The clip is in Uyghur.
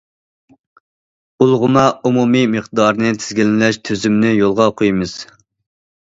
بۇلغىما ئومۇمىي مىقدارىنى تىزگىنلەش تۈزۈمىنى يولغا قويىمىز.